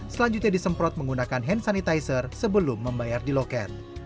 selanjutnya disemprot menggunakan hand sanitizer sebelum membayar di loket